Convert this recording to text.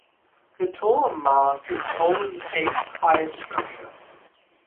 The taller mast is Poland's eighth highest structure.